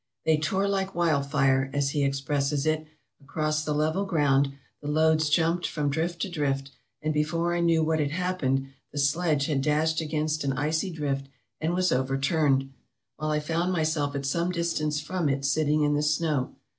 "They tore like wildfire," as he expresses it, "across the level ground, the loads jumped from drift to drift, and before I knew what had happened the sledge had dashed against an icy drift and was overturned; while I found myself at some distance from it sitting in the snow.